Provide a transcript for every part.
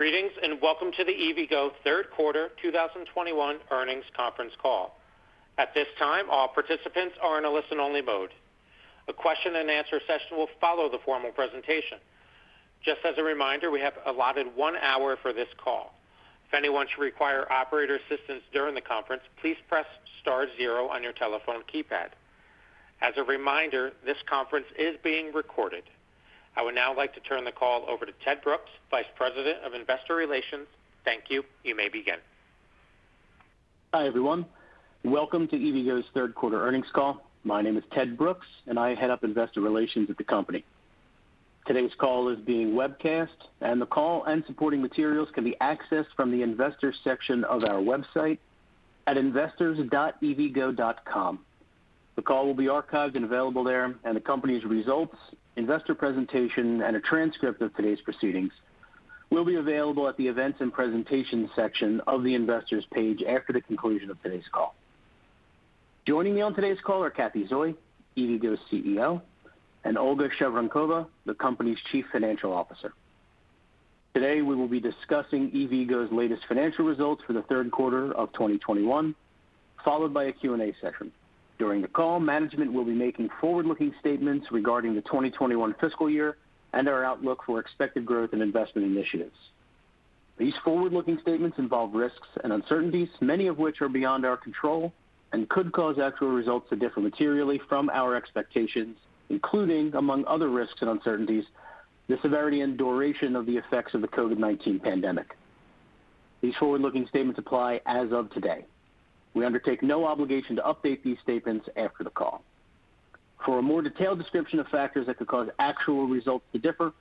Greetings, and welcome to the EVgo Q3 2021 earnings conference call. At this time, all participants are in a listen-only mode. A question and answer session will follow the formal presentation. Just as a reminder, we have allotted 1 hour for this call. If anyone should require operator assistance during the conference, please press star zero on your telephone keypad. As a reminder, this conference is being recorded. I would now like to turn the call over to Ted Brooks, Vice President of Investor Relations. Thank you. You may begin. Hi, everyone. Welcome to EVgo's Q3 earnings call. My name is Ted Brooks, and I head up investor relations at the company. Today's call is being webcast, and the call and supporting materials can be accessed from the investors section of our website at investors.evgo.com. The call will be archived and available there, and the company's results, investor presentation, and a transcript of today's proceedings will be available at the events and presentations section of the investors page after the conclusion of today's call. Joining me on today's call are Cathy Zoi, EVgo's CEO, and Olga Shevorenkova, the company's Chief Financial Officer. Today, we will be discussing EVgo's latest financial results for the Q3 of 2021, followed by a Q&A session. During the call, management will be making forward-looking statements regarding the 2021 fiscal year and our outlook for expected growth and investment initiatives. These forward-looking statements involve risks and uncertainties, many of which are beyond our control and could cause actual results to differ materially from our expectations, including, among other risks and uncertainties, the severity and duration of the effects of the COVID-19 pandemic. These forward-looking statements apply as of today. We undertake no obligation to update these statements after the call. For a more detailed description of factors that could cause actual results to differ,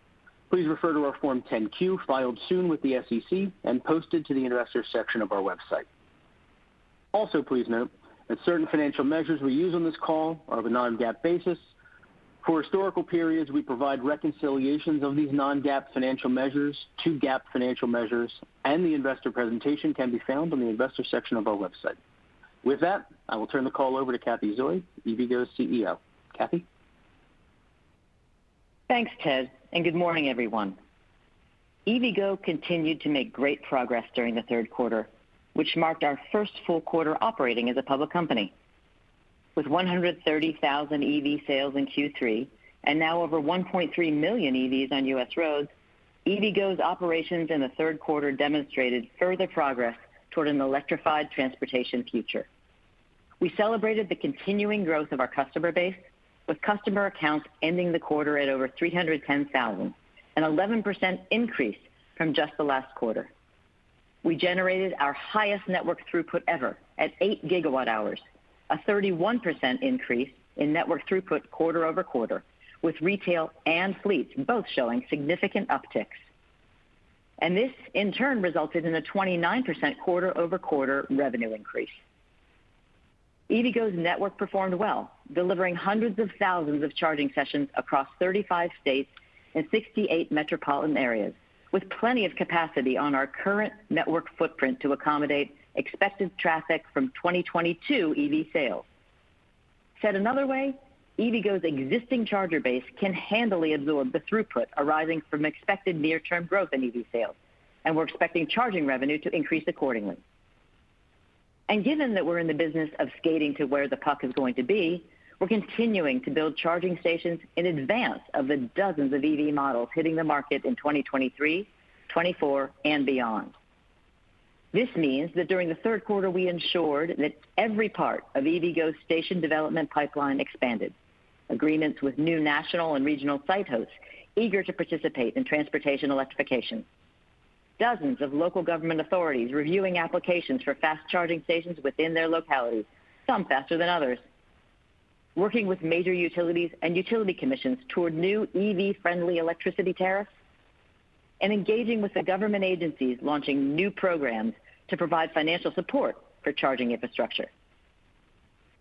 please refer to our Form 10-Q filed soon with the SEC and posted to the investors section of our website. Also, please note that certain financial measures we use on this call are of a non-GAAP basis. For historical periods, we provide reconciliations of these non-GAAP financial measures to GAAP financial measures, and the investor presentation can be found on the investors section of our website. With that, I will turn the call over to Cathy Zoi, EVgo's CEO. Cathy? Thanks, Ted, and good morning, everyone. EVgo continued to make great progress during the Q3, which marked our first full quarter operating as a public company. With 130,000 EV sales in Q3, and now over 1.3 million EVs on U.S. roads, EVgo's operations in the Q3 demonstrated further progress toward an electrified transportation future. We celebrated the continuing growth of our customer base, with customer accounts ending the quarter at over 310,000, an 11% increase from just the last quarter. We generated our highest network throughput ever at 8 gigawatt hours, a 31% increase in network throughput quarter-over-quarter, with retail and fleet both showing significant upticks. This, in turn, resulted in a 29% quarter-over-quarter revenue increase. EVgo's network performed well, delivering hundreds of thousands of charging sessions across 35 states and 68 metropolitan areas, with plenty of capacity on our current network footprint to accommodate expected traffic from 2022 EV sales. Said another way, EVgo's existing charger base can handily absorb the throughput arising from expected near-term growth in EV sales, and we're expecting charging revenue to increase accordingly. Given that we're in the business of skating to where the puck is going to be, we're continuing to build charging stations in advance of the dozens of EV models hitting the market in 2023, 2024, and beyond. This means that during the Q3, we ensured that every part of EVgo's station development pipeline expanded, agreements with new national and regional site hosts eager to participate in transportation electrification. Dozens of local government authorities reviewing applications for fast charging stations within their localities, some faster than others. Working with major utilities and utility commissions toward new EV-friendly electricity tariffs, and engaging with the government agencies launching new programs to provide financial support for charging infrastructure.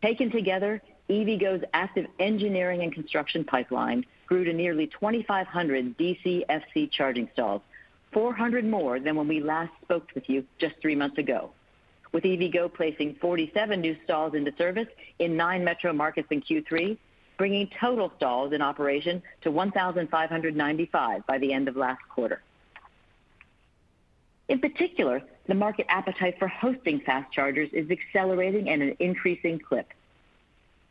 Taken together, EVgo's active engineering and construction pipeline grew to nearly 2,500 DCFC charging stalls, 400 more than when we last spoke with you just three months ago, with EVgo placing 47 new stalls into service in nine metro markets in Q3, bringing total stalls in operation to 1,595 by the end of last quarter. In particular, the market appetite for hosting fast chargers is accelerating at an increasing clip.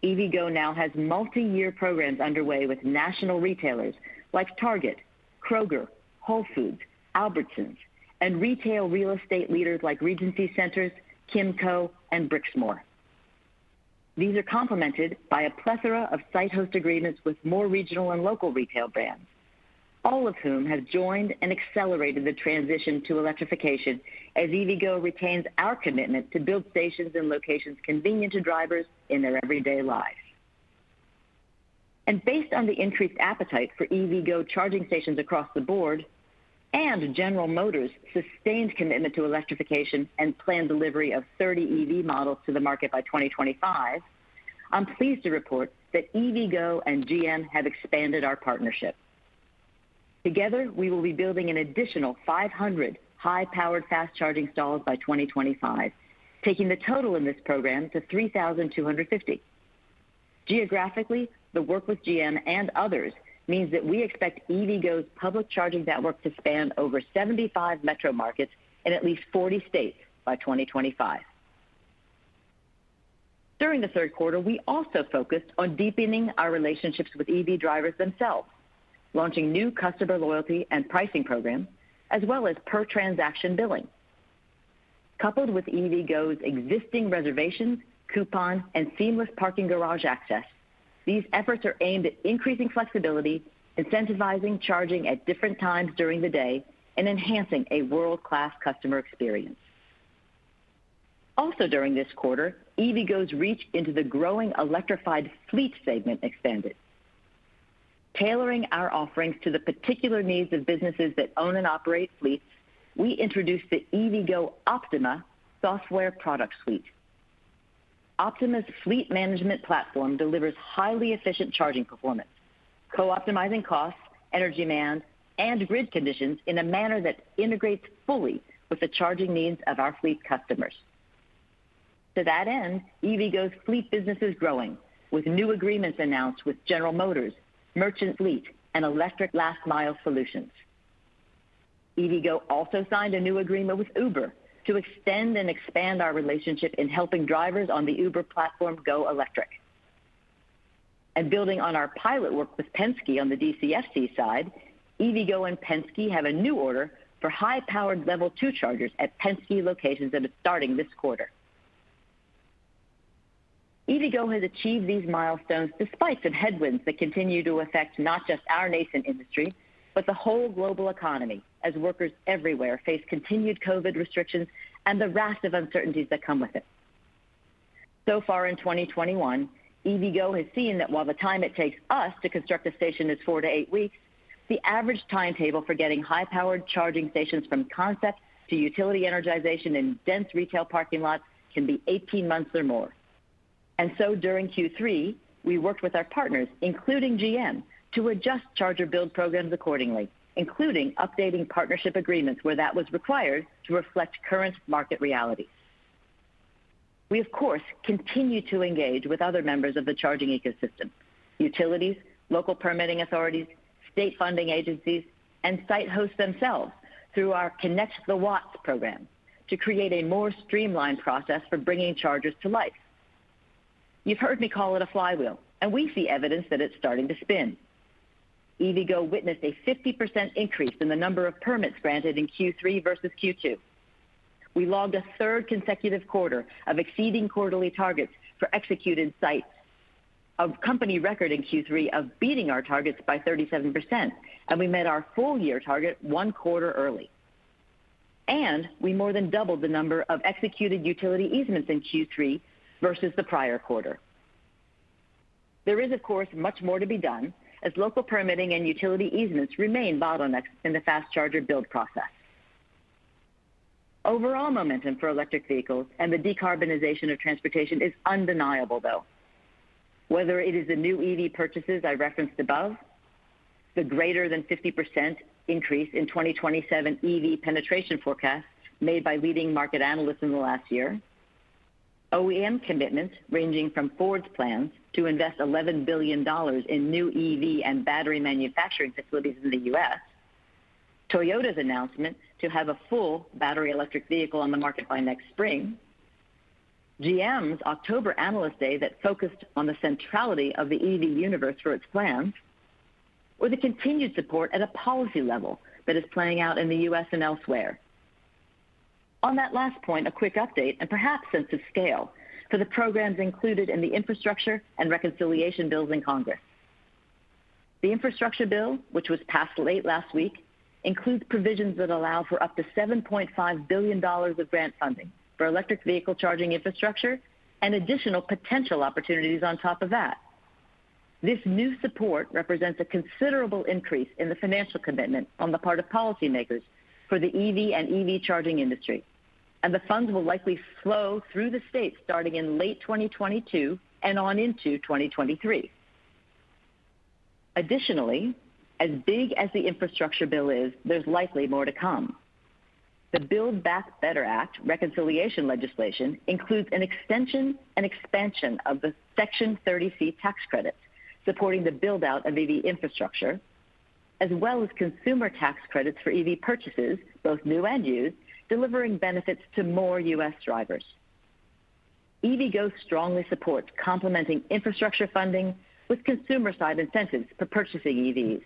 EVgo now has multi-year programs underway with national retailers like Target, Kroger, Whole Foods, Albertsons, and retail real estate leaders like Regency Centers, Kimco, and Brixmor. These are complemented by a plethora of site host agreements with more regional and local retail brands, all of whom have joined and accelerated the transition to electrification as EVgo retains our commitment to build stations in locations convenient to drivers in their everyday lives. Based on the increased appetite for EVgo charging stations across the board and General Motors' sustained commitment to electrification and planned delivery of 30 EV models to the market by 2025, I'm pleased to report that EVgo and GM have expanded our partnership. Together, we will be building an additional 500 high-powered fast charging stalls by 2025, taking the total in this program to 3,250. Geographically, the work with GM and others means that we expect EVgo's public charging network to span over 75 metro markets in at least 40 states by 2025. During the Q3, we also focused on deepening our relationships with EV drivers themselves, launching new customer loyalty and pricing programs, as well as per transaction billing. Coupled with EVgo's existing reservations, coupon, and seamless parking garage access, these efforts are aimed at increasing flexibility, incentivizing charging at different times during the day, and enhancing a world-class customer experience. Also during this quarter, EVgo's reach into the growing electrified fleet segment expanded. Tailoring our offerings to the particular needs of businesses that own and operate fleets, we introduced the EVgo Optima software product suite. Optima's fleet management platform delivers highly efficient charging performance, co-optimizing costs, energy demand, and grid conditions in a manner that integrates fully with the charging needs of our fleet customers. To that end, EVgo's fleet business is growing with new agreements announced with General Motors, Merchants Fleet, and Electric Last Mile Solutions. EVgo also signed a new agreement with Uber to extend and expand our relationship in helping drivers on the Uber platform go electric. Building on our pilot work with Penske on the DCFC side, EVgo and Penske have a new order for high-powered level two chargers at Penske locations that are starting this quarter. EVgo has achieved these milestones despite some headwinds that continue to affect not just our nascent industry, but the whole global economy as workers everywhere face continued COVID restrictions and the raft of uncertainties that come with it. So far in 2021, EVgo has seen that while the time it takes us to construct a station is 4-8 weeks, the average timetable for getting high-powered charging stations from concept to utility energization in dense retail parking lots can be 18 months or more. During Q3, we worked with our partners, including GM, to adjust charger build programs accordingly, including updating partnership agreements where that was required to reflect current market realities. We of course, continue to engage with other members of the charging ecosystem, utilities, local permitting authorities, state funding agencies, and site hosts themselves through our Connect the Watts program to create a more streamlined process for bringing chargers to life. You've heard me call it a flywheel, and we see evidence that it's starting to spin. EVgo witnessed a 50% increase in the number of permits granted in Q3 versus Q2. We logged a third consecutive quarter of exceeding quarterly targets for executed sites, a company record in Q3 of beating our targets by 37%, and we met our full year target one quarter early. We more than doubled the number of executed utility easements in Q3 versus the prior quarter. There is, of course, much more to be done as local permitting and utility easements remain bottlenecks in the fast charger build process. Overall momentum for electric vehicles and the decarbonization of transportation is undeniable, though. Whether it is the new EV purchases I referenced above, the greater than 50% increase in 2027 EV penetration forecasts made by leading market analysts in the last year, OEM commitments ranging from Ford's plans to invest $11 billion in new EV and battery manufacturing facilities in the U.S., Toyota's announcement to have a full battery electric vehicle on the market by next spring, GM's October analyst day that focused on the centrality of the EV universe for its plans, or the continued support at a policy level that is playing out in the U.S. and elsewhere. On that last point, a quick update and perhaps sense of scale for the programs included in the infrastructure and reconciliation bills in Congress. The infrastructure bill, which was passed late last week, includes provisions that allow for up to $7.5 billion of grant funding for electric vehicle charging infrastructure and additional potential opportunities on top of that. This new support represents a considerable increase in the financial commitment on the part of policymakers for the EV and EV charging industry, and the funds will likely flow through the states starting in late 2022 and on into 2023. Additionally, as big as the infrastructure bill is, there's likely more to come. The Build Back Better Act reconciliation legislation includes an extension and expansion of the Section 30C tax credit, supporting the build-out of EV infrastructure, as well as consumer tax credits for EV purchases, both new and used, delivering benefits to more U.S. drivers. EVgo strongly supports complementing infrastructure funding with consumer-side incentives for purchasing EVs,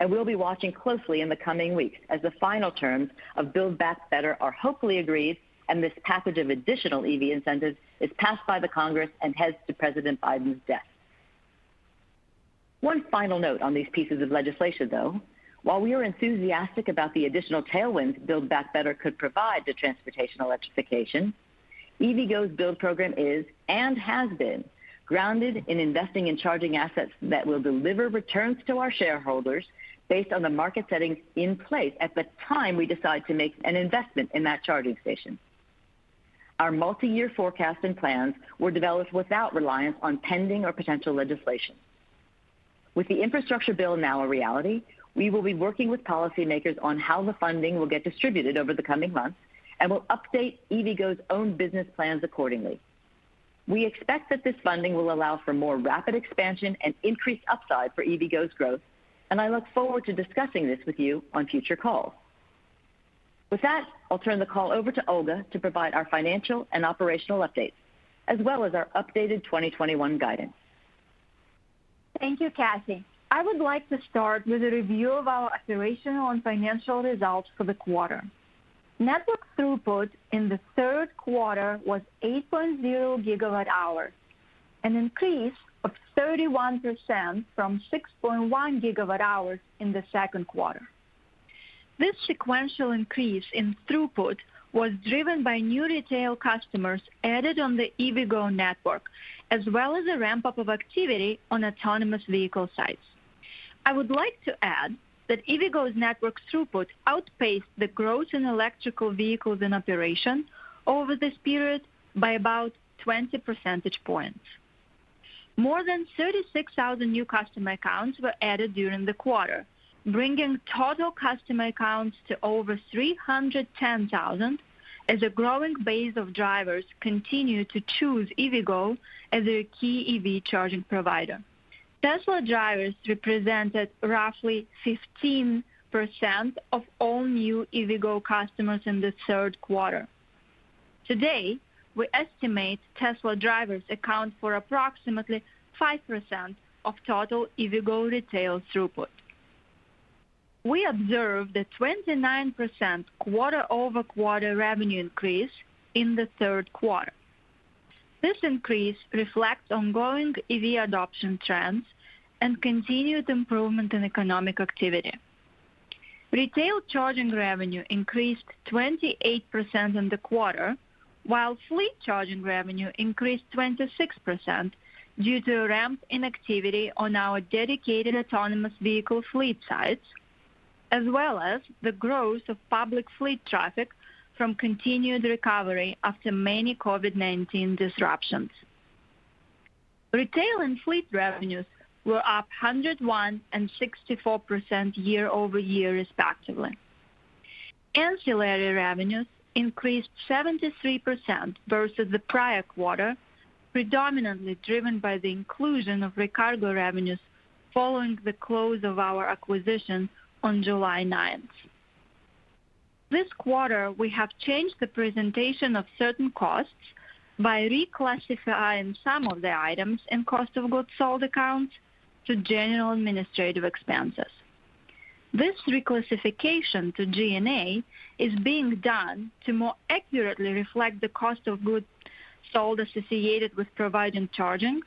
and we'll be watching closely in the coming weeks as the final terms of Build Back Better are hopefully agreed and this package of additional EV incentives is passed by Congress and heads to President Biden's desk. One final note on these pieces of legislation, though. While we are enthusiastic about the additional tailwinds Build Back Better could provide to transportation electrification, EVgo's build program is and has been grounded in investing in charging assets that will deliver returns to our shareholders based on the market settings in place at the time we decide to make an investment in that charging station. Our multi-year forecast and plans were developed without reliance on pending or potential legislation. With the infrastructure bill now a reality, we will be working with policymakers on how the funding will get distributed over the coming months, and we'll update EVgo's own business plans accordingly. We expect that this funding will allow for more rapid expansion and increased upside for EVgo's growth, and I look forward to discussing this with you on future calls. With that, I'll turn the call over to Olga to provide our financial and operational updates as well as our updated 2021 guidance. Thank you, Cathy. I would like to start with a review of our operational and financial results for the quarter. Network throughput in the Q3 was 8.0 GWh, an increase of 31% from 6.1 GWh in the Q2. This sequential increase in throughput was driven by new retail customers added on the EVgo network, as well as a ramp-up of activity on autonomous vehicle sites. I would like to add that EVgo's network throughput outpaced the growth in electric vehicles in operation over this period by about 20 percentage points. More than 36,000 new customer accounts were added during the quarter, bringing total customer accounts to over 310,000 as a growing base of drivers continue to choose EVgo as their key EV charging provider. Tesla drivers represented roughly 15% of all new EVgo customers in Q3. Today, we estimate Tesla drivers account for approximately 5% of total EVgo retail throughput. We observed a 29% quarter-over-quarter revenue increase in the Q3. This increase reflects ongoing EV adoption trends and continued improvement in economic activity. Retail charging revenue increased 28% in the quarter, while fleet charging revenue increased 26% due to a ramp in activity on our dedicated autonomous vehicle fleet sites, as well as the growth of public fleet traffic from continued recovery after many COVID-19 disruptions. Retail and fleet revenues were up 101% and 64% year-over-year, respectively. Ancillary revenues increased 73% versus the prior quarter, predominantly driven by the inclusion of Recargo revenues following the close of our acquisition on July ninth. This quarter, we have changed the presentation of certain costs by reclassifying some of the items in cost of goods sold accounts to general and administrative expenses. This reclassification to G&A is being done to more accurately reflect the cost of goods sold associated with providing charging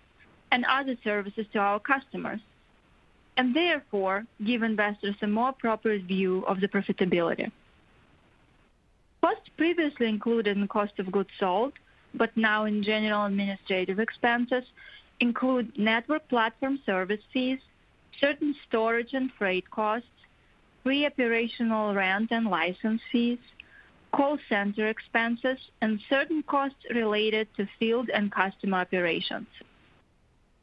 and other services to our customers, and therefore give investors a more proper view of the profitability. Costs previously included in cost of goods sold, but now in general and administrative expenses, include network platform service fees, certain storage and freight costs, pre-operational rent and license fees, call center expenses, and certain costs related to field and customer operations.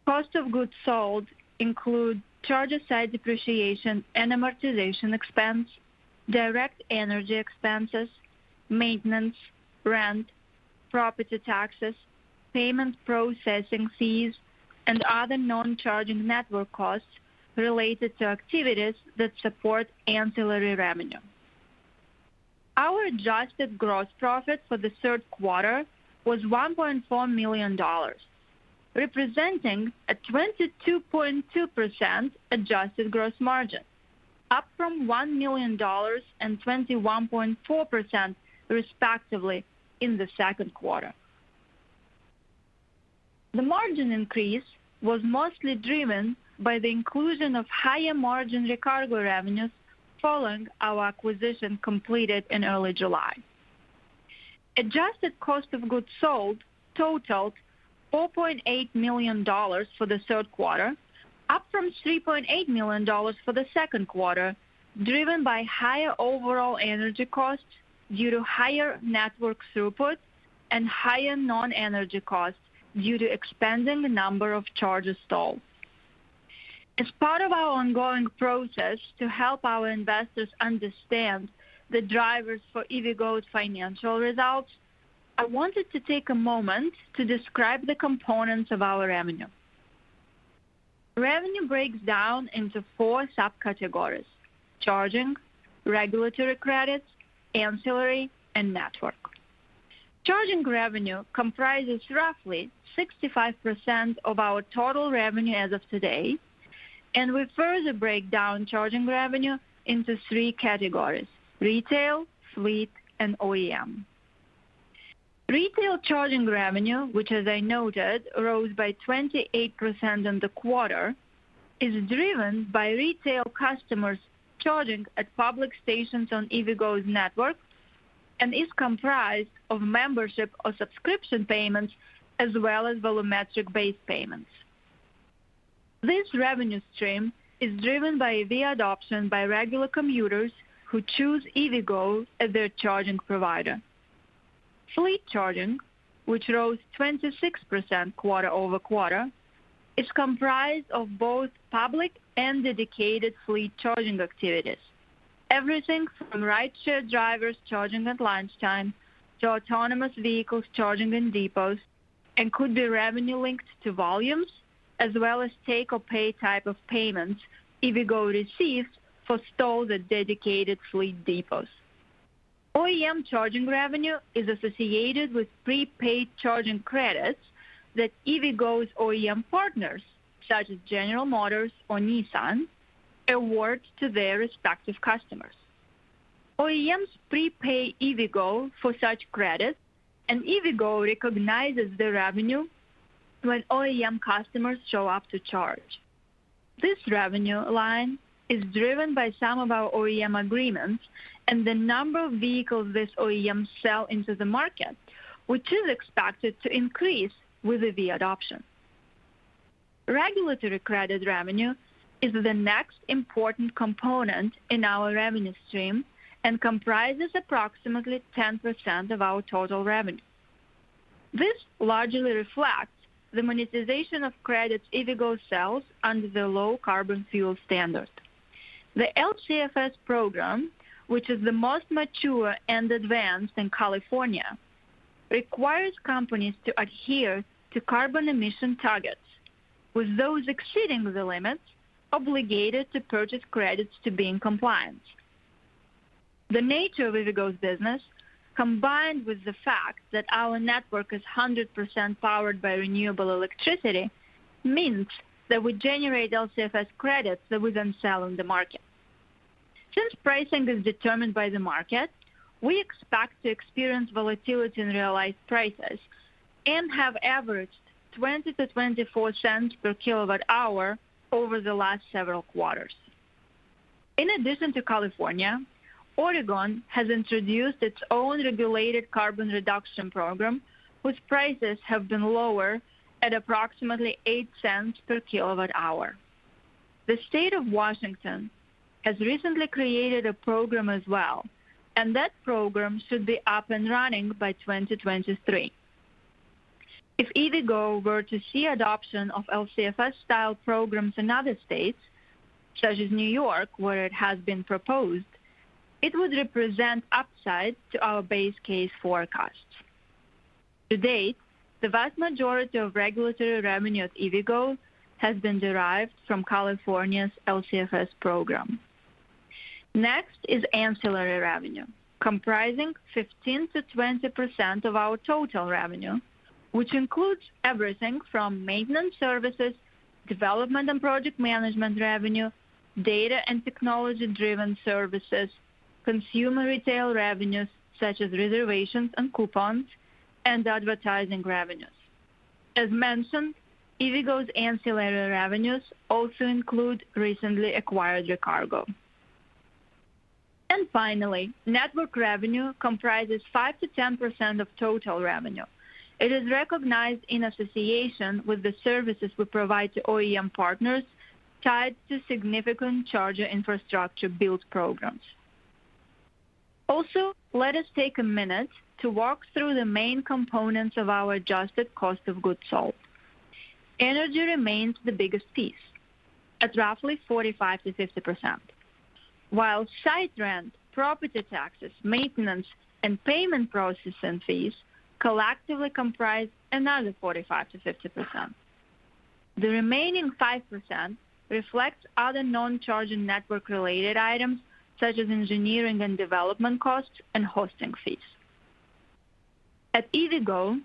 Cost of goods sold include charger site depreciation and amortization expense, direct energy expenses, maintenance, rent, property taxes, payment processing fees, and other non-charging network costs related to activities that support ancillary revenue. Our adjusted gross profit for the Q3 was $1.4 million, representing a 22.2% adjusted gross margin, up from $1 million and 21.4%, respectively, in the Q2. The margin increase was mostly driven by the inclusion of higher-margin Recargo revenues following our acquisition completed in early July. Adjusted cost of goods sold totaled $4.8 million for the Q3, up from $3.8 million for the Q2, driven by higher overall energy costs due to higher network throughput and higher non-energy costs due to expanding the number of chargers installed. As part of our ongoing process to help our investors understand the drivers for EVgo's financial results, I wanted to take a moment to describe the components of our revenue. Revenue breaks down into four subcategories, charging, regulatory credits, ancillary, and network. Charging revenue comprises roughly 65% of our total revenue as of today, and we further break down charging revenue into three categories: retail, fleet, and OEM. Retail charging revenue, which as I noted, rose by 28% in the quarter, is driven by retail customers charging at public stations on EVgo's network and is comprised of membership or subscription payments as well as volumetric-based payments. This revenue stream is driven by EV adoption by regular commuters who choose EVgo as their charging provider. Fleet charging, which rose 26% quarter-over-quarter, is comprised of both public and dedicated fleet charging activities. Everything from rideshare drivers charging at lunchtime to autonomous vehicles charging in depots and could be revenue linked to volumes as well as take or pay type of payments EVgo received for stalls at dedicated fleet depots. OEM charging revenue is associated with prepaid charging credits that EVgo's OEM partners, such as General Motors or Nissan, award to their respective customers. OEMs prepay EVgo for such credits, and EVgo recognizes the revenue when OEM customers show up to charge. This revenue line is driven by some of our OEM agreements and the number of vehicles these OEMs sell into the market, which is expected to increase with EV adoption. Regulatory credit revenue is the next important component in our revenue stream and comprises approximately 10% of our total revenue. This largely reflects the monetization of credits EVgo sells under the Low Carbon Fuel Standard. The LCFS program, which is the most mature and advanced in California, requires companies to adhere to carbon emission targets, with those exceeding the limits obligated to purchase credits to be in compliance. The nature of EVgo's business, combined with the fact that our network is 100% powered by renewable electricity, means that we generate LCFS credits that we then sell in the market. Since pricing is determined by the market, we expect to experience volatility in realized prices and have averaged $0.20-$0.24 per kilowatt hour over the last several quarters. In addition to California, Oregon has introduced its own regulated carbon reduction program, which prices have been lower at approximately $0.08 per kilowatt hour. The State of Washington has recently created a program as well, and that program should be up and running by 2023. If EVgo were to see adoption of LCFS style programs in other states, such as New York, where it has been proposed, it would represent upside to our base case forecast. To date, the vast majority of regulatory revenue at EVgo has been derived from California's LCFS program. Next is ancillary revenue, comprising 15%-20% of our total revenue, which includes everything from maintenance services, development and project management revenue, data and technology-driven services, consumer retail revenues, such as reservations and coupons, and advertising revenues. As mentioned, EVgo's ancillary revenues also include recently acquired Recargo. Finally, network revenue comprises 5%-10% of total revenue. It is recognized in association with the services we provide to OEM partners tied to significant charger infrastructure build programs. Also, let us take a minute to walk through the main components of our adjusted cost of goods sold. Energy remains the biggest piece at roughly 45%-50%. While site rent, property taxes, maintenance, and payment processing fees collectively comprise another 45%-50%. The remaining 5% reflects other non-charging network related items such as engineering and development costs and hosting fees. At EVgo,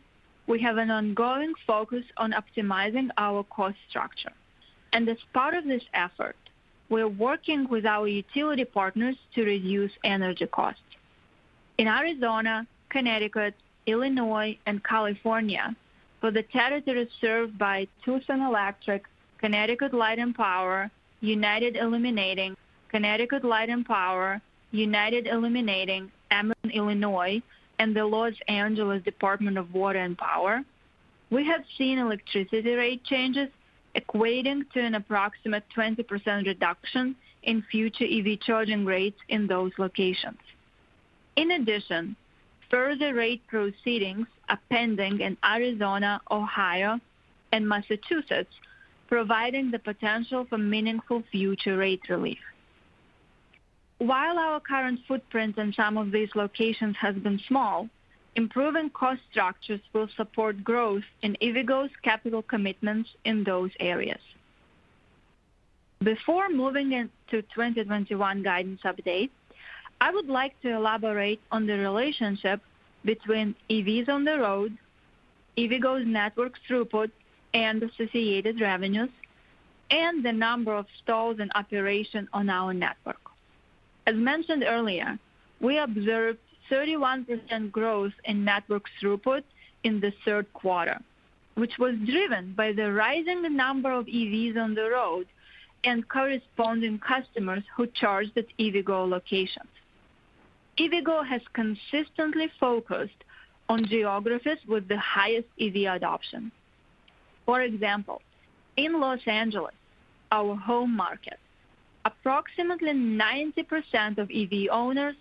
we have an ongoing focus on optimizing our cost structure. As part of this effort, we are working with our utility partners to reduce energy costs. In Arizona, Connecticut, Illinois, and California for the territories served by Tucson Electric, Connecticut Light and Power, United Illuminating, Ameren Illinois, and the Los Angeles Department of Water and Power, we have seen electricity rate changes equating to an approximate 20% reduction in future EV charging rates in those locations. In addition, further rate proceedings are pending in Arizona, Ohio, and Massachusetts, providing the potential for meaningful future rate relief. While our current footprint in some of these locations has been small, improving cost structures will support growth in EVgo's capital commitments in those areas. Before moving into 2021 guidance update, I would like to elaborate on the relationship between EVs on the road, EVgo's network throughput and associated revenues, and the number of stalls in operation on our network. As mentioned earlier, we observed 31% growth in network throughput in the Q3, which was driven by the rising number of EVs on the road and corresponding customers who charged at EVgo locations. EVgo has consistently focused on geographies with the highest EV adoption. For example, in Los Angeles, our home market, approximately 90% of EV owners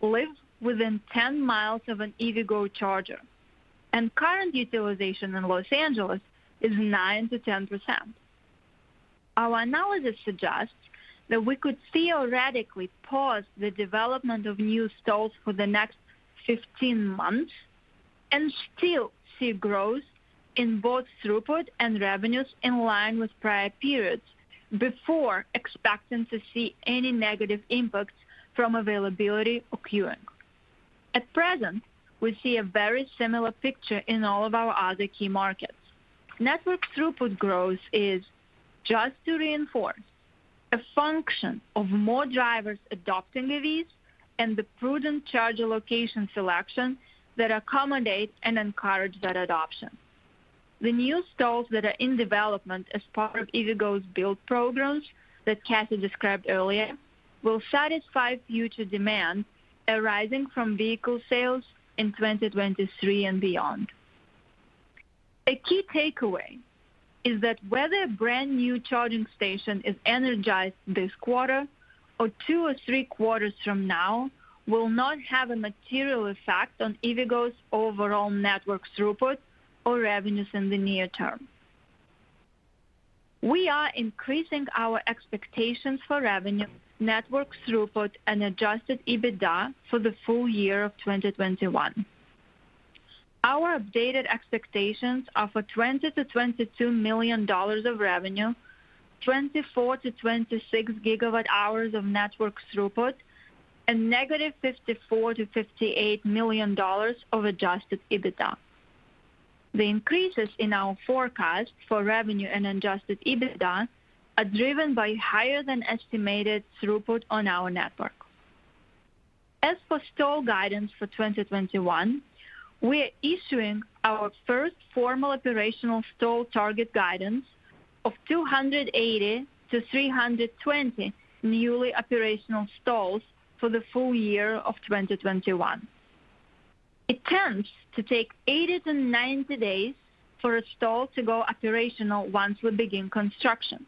live within 10 miles of an EVgo charger, and current utilization in Los Angeles is 9%-10%. Our analysis suggests that we could theoretically pause the development of new stalls for the next 15 months and still see growth in both throughput and revenues in line with prior periods before expecting to see any negative impacts from availability occurring. At present, we see a very similar picture in all of our other key markets. Network throughput growth is, just to reinforce a function of more drivers adopting EVs and the prudent charger location selection that accommodates and encourage that adoption. The new stalls that are in development as part of EVgo's build programs that Cathy described earlier, will satisfy future demand arising from vehicle sales in 2023 and beyond. A key takeaway is that whether a brand-new charging station is energized this quarter or 2 or 3 quarters from now will not have a material effect on EVgo's overall network throughput or revenues in the near term. We are increasing our expectations for revenue, network throughput, and adjusted EBITDA for the full year of 2021. Our updated expectations are for $20 million-$22 million of revenue, 24-26 gigawatt hours of network throughput, and -$54 million-$58 million of adjusted EBITDA. The increases in our forecast for revenue and adjusted EBITDA are driven by higher than estimated throughput on our network. As for stall guidance for 2021, we are issuing our first formal operational stall target guidance of 280-320 newly operational stalls for the full year of 2021. It tends to take 80-90 days for a stall to go operational once we begin construction.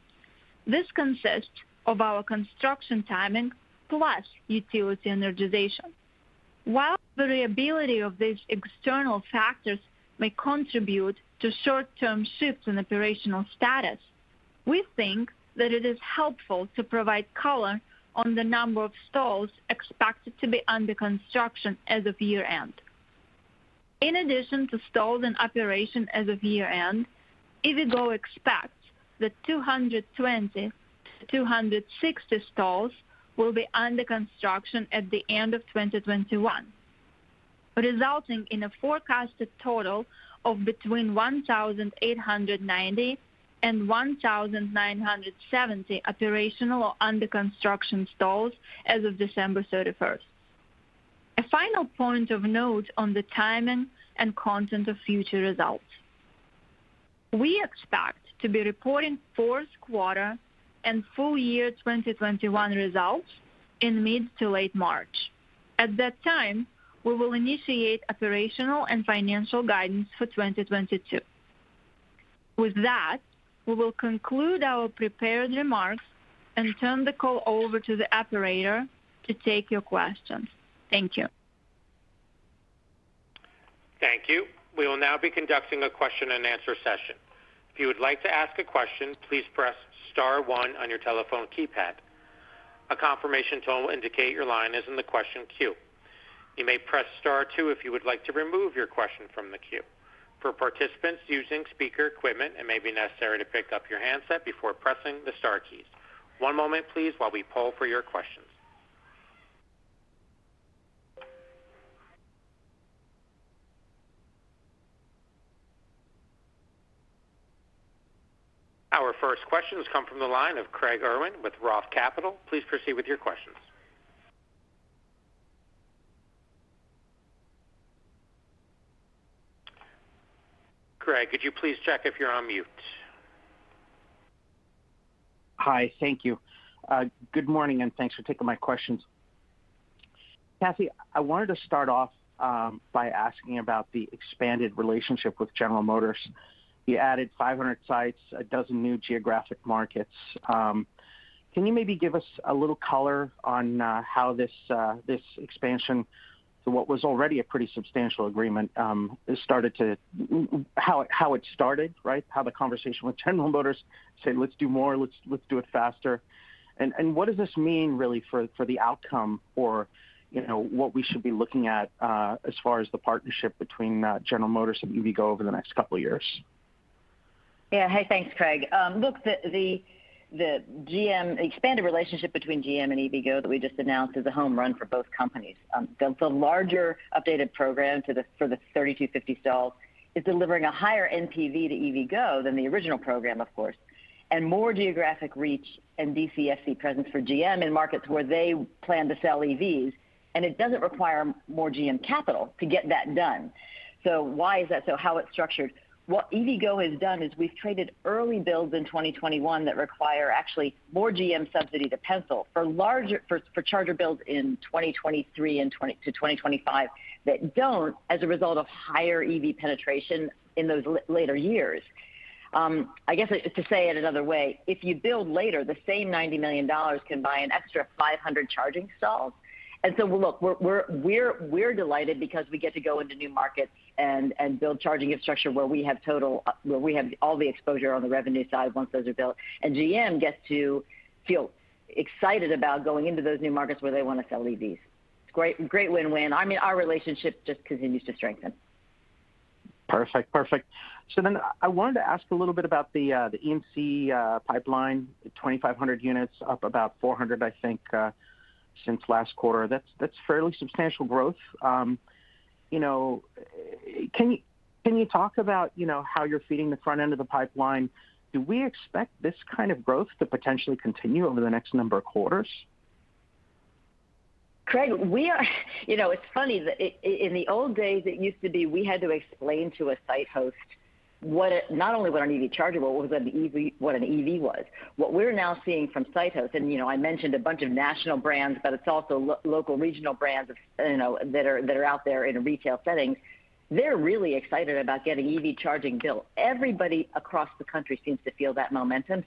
This consists of our construction timing plus utility energization. While the variability of these external factors may contribute to short-term shifts in operational status, we think that it is helpful to provide color on the number of stalls expected to be under construction as of year-end. In addition to stalls in operation as of year-end, EVgo expects that 220-260 stalls will be under construction at the end of 2021, resulting in a forecasted total of between 1,890 and 1,970 operational or under construction stalls as of December 31st. A final point of note on the timing and content of future results. We expect to be reporting Q4 and full year 2021 results in mid to late March. At that time, we will initiate operational and financial guidance for 2022. With that, we will conclude our prepared remarks and turn the call over to the operator to take your questions. Thank you. Thank you. We will now be conducting a question and answer session. If you would like to ask a question, please press star one on your telephone keypad. A confirmation tone will indicate your line is in the question queue. You may press star two if you would like to remove your question from the queue. For participants using speaker equipment, it may be necessary to pick up your handset before pressing the star keys. One moment please while we poll for your questions. Our first question has come from the line of Craig Irwin with Roth Capital. Please proceed with your questions. Craig, could you please check if you're on mute? Hi. Thank you. Good morning, and thanks for taking my questions. Cathy, I wanted to start off by asking about the expanded relationship with General Motors. You added 500 sites, 12 new geographic markets. Can you maybe give us a little color on how this expansion to what was already a pretty substantial agreement has started to—how it started, right? How the conversation with General Motors said, "Let's do more. Let's do it faster." What does this mean really for the outcome or, you know, what we should be looking at as far as the partnership between General Motors and EVgo over the next couple of years? Hey, thanks, Craig. Look, the expanded relationship between GM and EVgo that we just announced is a home run for both companies. The larger updated program for the 3,250 stalls is delivering a higher NPV to EVgo than the original program, of course, and more geographic reach and DCFC presence for GM in markets where they plan to sell EVs, and it doesn't require more GM capital to get that done. Why is that? How it's structured. What EVgo has done is we've traded early builds in 2021 that require actually more GM subsidy to pencil for larger charger builds in 2023 and to 2025 that don't as a result of higher EV penetration in those later years. I guess to say it another way, if you build later, the same $90 million can buy an extra 500 charging stalls. Look, we're delighted because we get to go into new markets and build charging infrastructure where we have all the exposure on the revenue side once those are built. GM gets to feel excited about going into those new markets where they want to sell EVs. It's great win-win. I mean, our relationship just continues to strengthen. Perfect. I wanted to ask a little bit about the E&C pipeline, 2,500 units up about 400, I think, since last quarter. That's fairly substantial growth. You know, can you talk about, you know, how you're feeding the front end of the pipeline? Do we expect this kind of growth to potentially continue over the next number of quarters? Craig, we are, you know, it's funny that in the old days, it used to be we had to explain to a site host not only what an EV charger was, but what an EV was. What we're now seeing from site hosts, and, you know, I mentioned a bunch of national brands, but it's also local regional brands, you know, that are out there in retail settings. They're really excited about getting EV charging built. Everybody across the country seems to feel that momentum.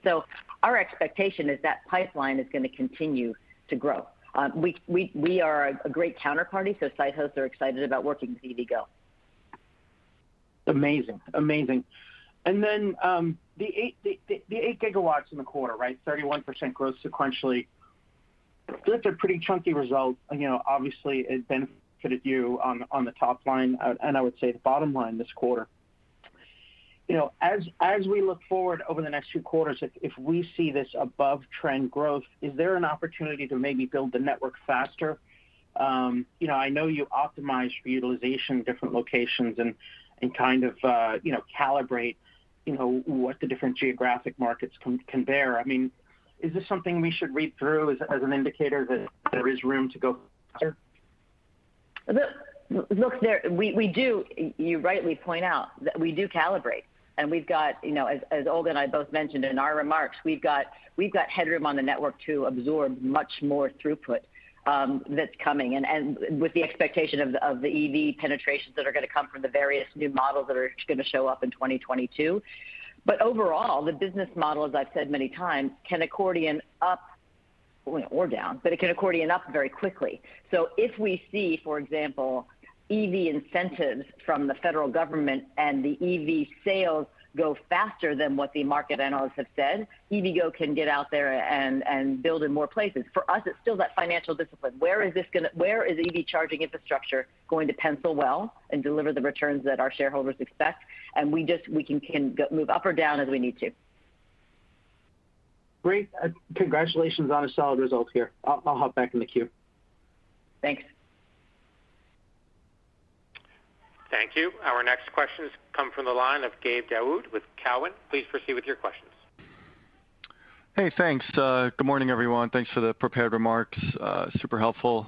Our expectation is that pipeline is going to continue to grow. We are a great counterparty, so site hosts are excited about working with EVgo. Amazing. The 8 GW in the quarter, right? 31% growth sequentially. That's a pretty chunky result. You know, obviously it benefited you on the top line, and I would say the bottom line this quarter. You know, as we look forward over the next few quarters, if we see this above trend growth, is there an opportunity to maybe build the network faster? You know, I know you optimize for utilization in different locations and kind of, you know, calibrate what the different geographic markets can bear. I mean, is this something we should read through as an indicator that there is room to go faster? You rightly point out that we do calibrate, and we've got, you know, as Olga and I both mentioned in our remarks, we've got headroom on the network to absorb much more throughput, that's coming and with the expectation of the EV penetrations that are gonna come from the various new models that are gonna show up in 2022. Overall, the business model, as I've said many times, can accordion up or down, but it can accordion up very quickly. If we see, for example, EV incentives from the federal government and the EV sales go faster than what the market analysts have said, EVgo can get out there and build in more places. For us, it's still that financial discipline. Where is EV charging infrastructure going to pencil well and deliver the returns that our shareholders expect? We can move up or down as we need to. Great. Congratulations on a solid result here. I'll hop back in the queue. Thanks. Thank you. Our next question comes from the line of Gabe Daoud with Cowen. Please proceed with your questions. Hey, thanks. Good morning, everyone. Thanks for the prepared remarks. Super helpful.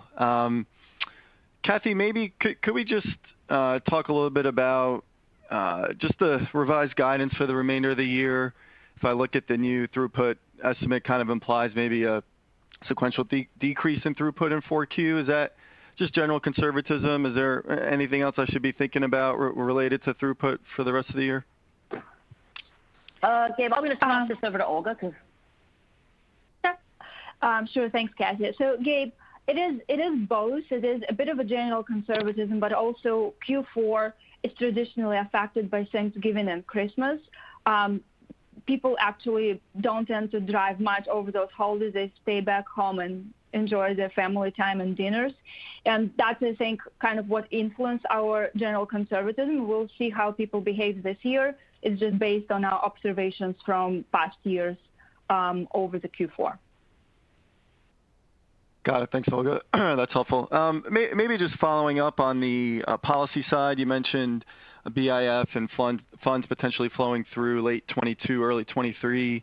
Cathy, maybe could we just talk a little bit about just the revised guidance for the remainder of the year? If I look at the new throughput estimate, kind of implies maybe a sequential decrease in throughput in Q4. Is that just general conservatism? Is there anything else I should be thinking about related to throughput for the rest of the year? Gabe, I'll just pass this over to Olga because. Sure. Thanks, Cathy. Gabe, it is both. It is a bit of a general conservatism, but also Q4 is traditionally affected by Thanksgiving and Christmas. People actually don't tend to drive much over those holidays. They stay back home and enjoy their family time and dinners. That is, I think, kind of what influenced our general conservatism. We'll see how people behave this year. It's just based on our observations from past years over the Q4. Got it. Thanks, Olga. That's helpful. Maybe just following up on the policy side, you mentioned a BIF and funds potentially flowing through late 2022, early 2023.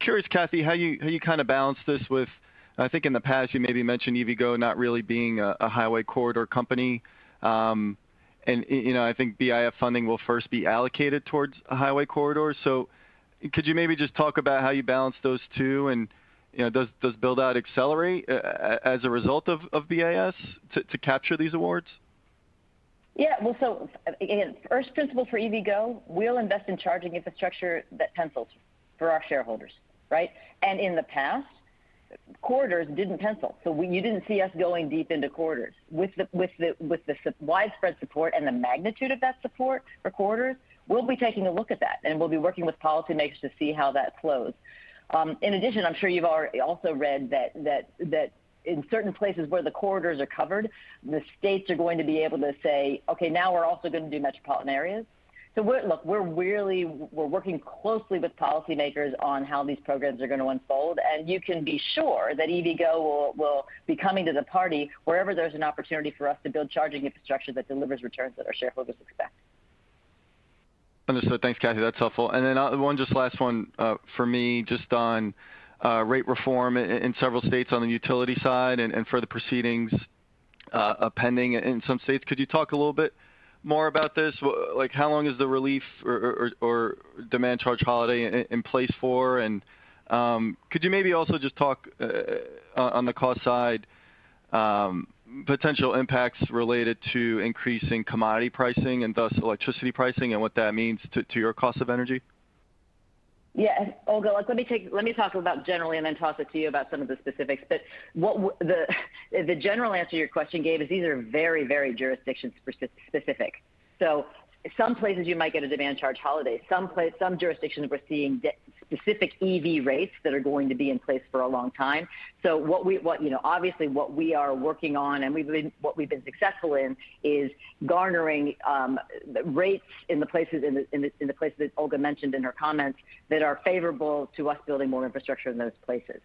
Curious, Cathy, how you kind of balance this with, I think in the past, you maybe mentioned EVgo not really being a highway corridor company. And you know, I think BIF funding will first be allocated towards a highway corridor. Could you maybe just talk about how you balance those two and, you know, does build out accelerate as a result of BIF to capture these awards? Yeah. Well, again, first principle for EVgo, we'll invest in charging infrastructure that pencils for our shareholders, right? In the past, corridors didn't pencil, so you didn't see us going deep into corridors. With the widespread support and the magnitude of that support for corridors, we'll be taking a look at that, and we'll be working with policymakers to see how that flows. In addition, I'm sure you've also read that in certain places where the corridors are covered, the states are going to be able to say, "Okay, now we're also gonna do metropolitan areas." Look, we are really working closely with policymakers on how these programs are gonna unfold, and you can be sure that EVgo will be coming to the party wherever there's an opportunity for us to build charging infrastructure that delivers returns that our shareholders expect. Understood. Thanks, Cathy. That's helpful. Then, one, just last one, for me, just on rate reform in several states on the utility side and for the proceedings pending in some states. Could you talk a little bit more about this? How long is the relief or demand charge holiday in place for? Could you maybe also just talk on the cost side, potential impacts related to increasing commodity pricing and thus electricity pricing and what that means to your cost of energy. Yeah. Olga, let me talk about generally and then toss it to you about some of the specifics. The general answer to your question, Gabe, is these are very, very jurisdiction-specific. Some places you might get a demand charge holiday. Some jurisdictions we're seeing specific EV rates that are going to be in place for a long time. What we are working on, you know, obviously, and what we've been successful in is garnering rates in the places that Olga mentioned in her comments that are favorable to us building more infrastructure in those places.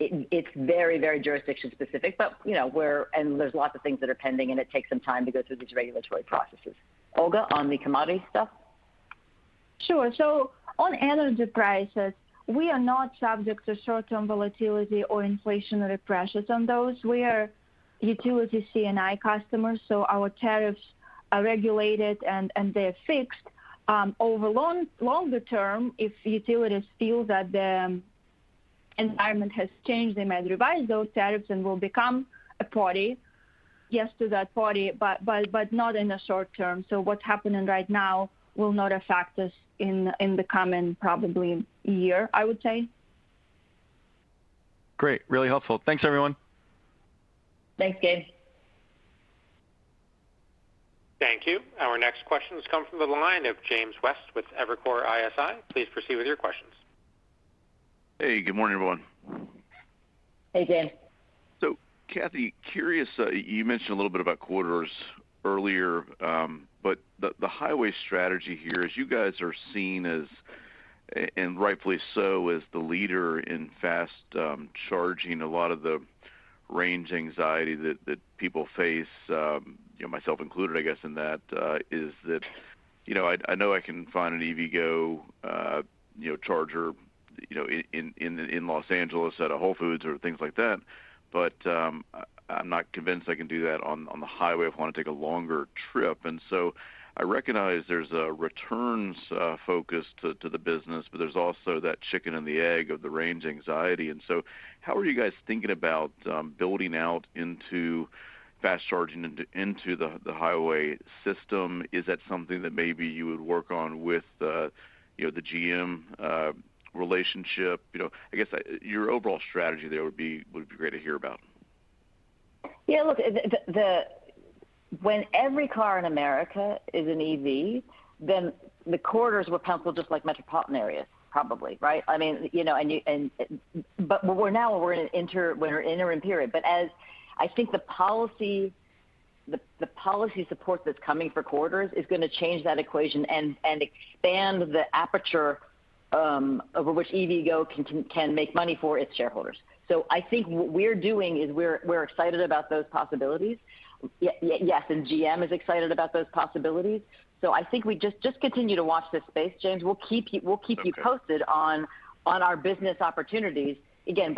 It's very, very jurisdiction-specific. You know, there's lots of things that are pending, and it takes some time to go through these regulatory processes. Olga, on the commodity stuff? Sure. On energy prices, we are not subject to short-term volatility or inflationary pressures on those. We are utility C&I customers, so our tariffs are regulated and they're fixed. Over longer term, if utilities feel that the environment has changed, they might revise those tariffs and we'll become a party. Yes to that party, but not in the short term. What's happening right now will not affect us in the coming probably year, I would say. Great. Really helpful. Thanks, everyone. Thanks, Gabe. Thank you. Our next question has come from the line of James West with Evercore ISI. Please proceed with your questions. Hey, good morning, everyone. Hey, James. Cathy, curious, you mentioned a little bit about corridors earlier, but the highway strategy here is you guys are seen as, and rightfully so as the leader in fast charging. A lot of the range anxiety that people face, you know, myself included, I guess in that, is that, you know, I know I can find an EVgo charger, you know, in Los Angeles at a Whole Foods or things like that, but I'm not convinced I can do that on the highway if I wanna take a longer trip. I recognize there's a returns focus to the business, but there's also that chicken and the egg of the range anxiety. How are you guys thinking about building out fast charging into the highway system? Is that something that maybe you would work on with the, you know, GM relationship? You know, I guess, your overall strategy there would be great to hear about. Yeah, look, when every car in America is an EV, then the corridors will consolidate just like metropolitan areas probably, right? I mean, you know, we're in an interim period. The policy support that's coming for corridors is gonna change that equation and expand the aperture over which EVgo can make money for its shareholders. I think what we are doing is we're excited about those possibilities. Yes, and GM is excited about those possibilities. I think we just continue to watch this space, James. We'll keep you posted on our business opportunities. Again,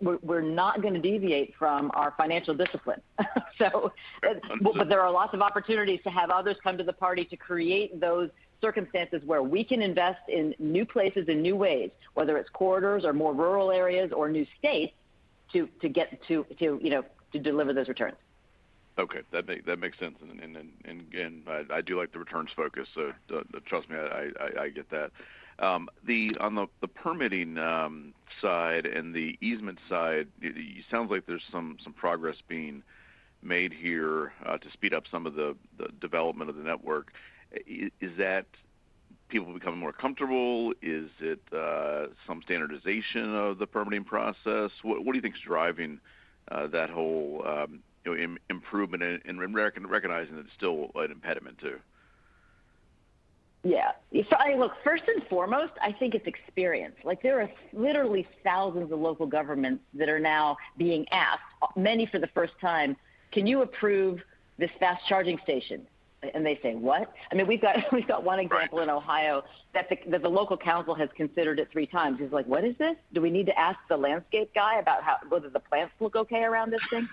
we're not gonna deviate from our financial discipline. Understood. There are lots of opportunities to have others come to the party to create those circumstances where we can invest in new places and new ways, whether it's corridors or more rural areas or new states, to get to, you know, to deliver those returns. Okay. That makes sense. Again, I do like the returns focus, so trust me, I get that. On the permitting side and the easement side, it sounds like there's some progress being made here to speed up some of the development of the network. Is that people becoming more comfortable? Is it some standardization of the permitting process? What do you think is driving that whole, you know, improvement and recognizing that it's still an impediment too? Yeah. I look, first and foremost, I think it's experience. Like, there are literally thousands of local governments that are now being asked, many for the first time, "Can you approve this fast charging station?" They say, "What?" I mean, we've got one example in Ohio that the local council has considered it three times. He's like, "What is this? Do we need to ask the landscape guy about whether the plants look okay around this thing?"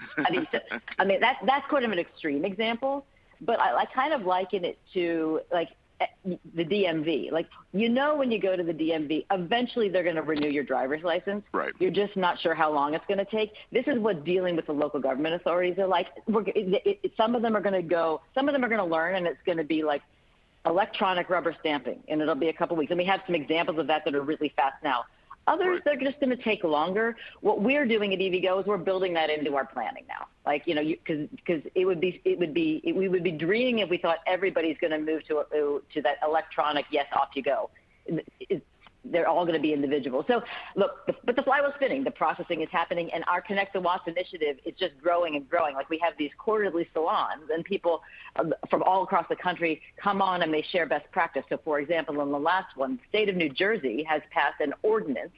I mean, that's quite an extreme example, but I kind of liken it to like, the DMV. Like, you know when you go to the DMV, eventually they are gonna renew your driver's license. Right. You're just not sure how long it's gonna take. This is what dealing with the local government authorities are like. Some of them are gonna learn, and it's gonna be like electronic rubber stamping, and it'll be a couple weeks. We have some examples of that that are really fast now. Right. Others, they're just gonna take longer. What we're doing at EVgo is we're building that into our planning now. Like, you know, 'cause it would be we would be dreaming if we thought everybody's gonna move to that electronic. They're all gonna be individual. Look, but the flywheel's spinning, the processing is happening, and our Connect the Watts initiative is just growing and growing. Like, we have these quarterly salons, and people from all across the country come on, and they share best practice. For example, in the last one, the state of New Jersey has passed an ordinance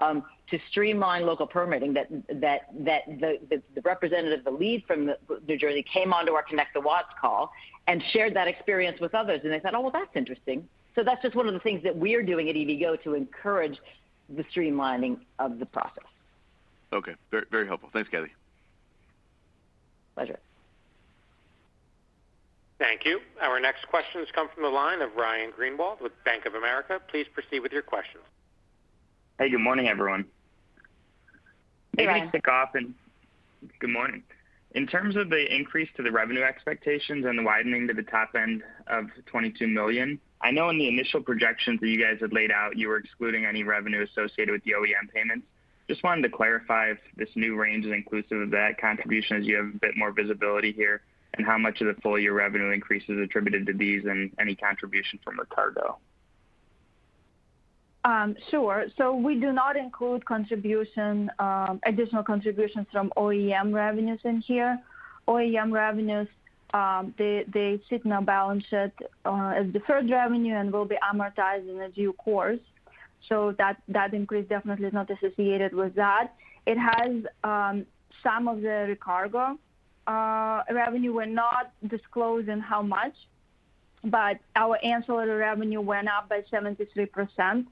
to streamline local permitting that the representative, the lead from New Jersey came onto our Connect the Watts call and shared that experience with others. They said, "Oh, well, that's interesting." That's just one of the things that we're doing at EVgo to encourage the streamlining of the process. Okay. Very, very helpful. Thanks, Cathy. Pleasure. Thank you. Our next questions come from the line of Ryan Greenwald with Bank of America. Please proceed with your questions. Hey, good morning, everyone. Hey, Ryan. Good morning. In terms of the increase to the revenue expectations and the widening to the top end of $22 million, I know in the initial projections that you guys had laid out, you were excluding any revenue associated with the OEM payments. Just wanted to clarify if this new range is inclusive of that contribution as you have a bit more visibility here, and how much of the full year revenue increase is attributed to these and any contribution from Recargo. Sure. We do not include contribution, additional contributions from OEM revenues in here. OEM revenues, they sit in our balance sheet as deferred revenue and will be amortized in due course. That increase definitely is not associated with that. It has some of the Recargo revenue. We're not disclosing how much, but our ancillary revenue went up by 73%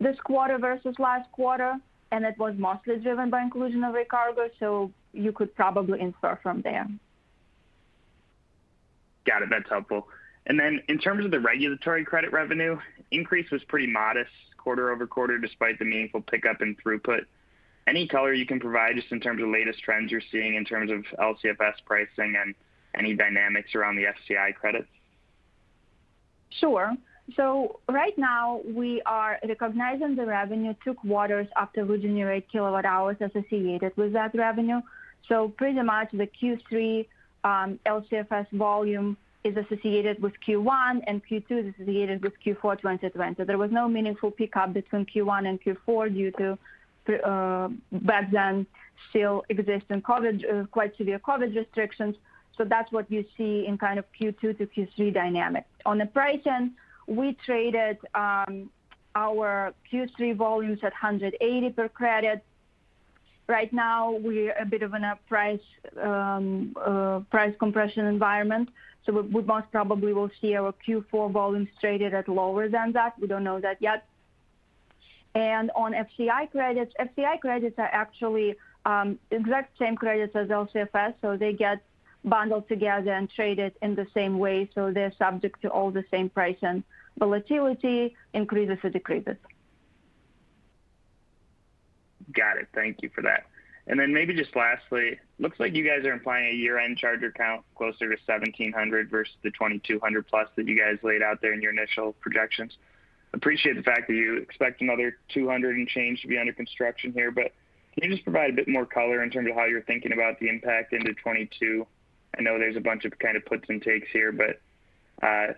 this quarter versus last quarter, and it was mostly driven by inclusion of Recargo, so you could probably infer from there. Got it. That's helpful. In terms of the regulatory credit revenue, increase was pretty modest quarter-over-quarter, despite the meaningful pickup in throughput. Any color you can provide just in terms of latest trends you're seeing in terms of LCFS pricing and any dynamics around the FCI credits? Sure. Right now we are recognizing the revenue two quarters after we generate kilowatt hours associated with that revenue. Pretty much the Q3 LCFS volume is associated with Q1 and Q2 is associated with Q4 2020. There was no meaningful pickup between Q1 and Q4 due to back then still existent COVID quite severe COVID restrictions. That's what you see in kind of Q2 to Q3 dynamics. On the price end, we traded our Q3 volumes at $180 per credit. Right now we're a bit of in a price compression environment, so we most probably will see our Q4 volumes traded at lower than that. We don't know that yet. On FCI credits, FCI credits are actually exact same credits as LCFS, so they get bundled together and traded in the same way, so they're subject to all the same price and volatility, increases or decreases. Got it. Thank you for that. Maybe just lastly, looks like you guys are implying a year-end charger count closer to 1,700 versus the 2,200+ that you guys laid out there in your initial projections. Appreciate the fact that you expect another 200 and change to be under construction here, but can you just provide a bit more color in terms of how you are thinking about the impact into 2022? I know there's a bunch of kind of puts and takes here, but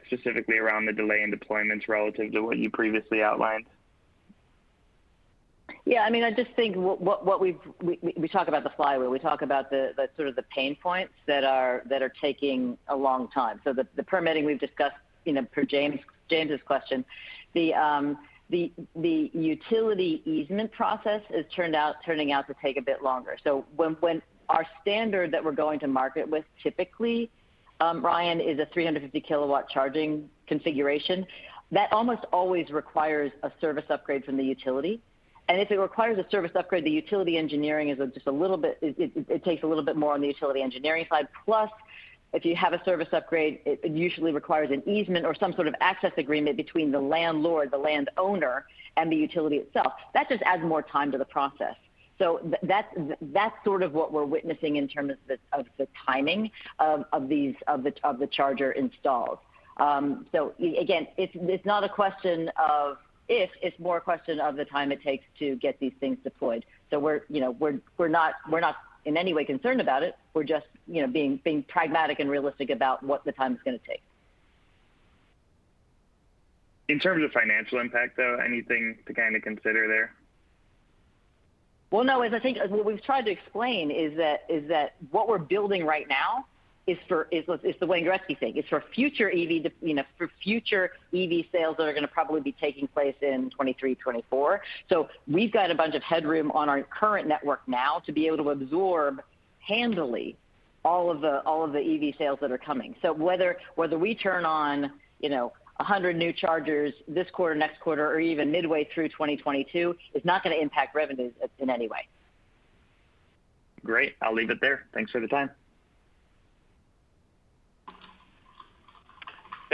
specifically around the delay in deployments relative to what you previously outlined. Yeah, I mean, I just think we talk about the flywheel, we talk about the sort of the pain points that are taking a long time. The permitting we've discussed, you know, per James' question. The utility easement process has turned out to take a bit longer. When our standard that we're going to market with typically, Ryan, is a 350 kW charging configuration, that almost always requires a service upgrade from the utility. If it requires a service upgrade, the utility engineering is just a little bit. It takes a little bit more on the utility engineering side. Plus, if you have a service upgrade, it usually requires an easement or some sort of access agreement between the landlord, the land owner, and the utility itself. That just adds more time to the process. That's sort of what we're witnessing in terms of the timing of these charger installs. Again, it's not a question of if, it's more a question of the time it takes to get these things deployed. You know, we're not in any way concerned about it. We're just, you know, being pragmatic and realistic about what the time's gonna take. In terms of financial impact, though, anything to kind of consider there? Well, no, as I think what we've tried to explain is that what we're building right now is the Wayne Gretzky thing. It's for future EV, you know, for future EV sales that are gonna probably be taking place in 2023, 2024. We've got a bunch of headroom on our current network now to be able to absorb handily all of the EV sales that are coming. Whether we turn on, you know, 100 new chargers this quarter, next quarter, or even midway through 2022, it's not gonna impact revenues in any way. Great. I'll leave it there. Thanks for the time.